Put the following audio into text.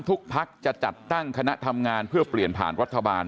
ภักดิ์จะจัดตั้งคณะทำงานเพื่อเปลี่ยนผ่านรัฐบาล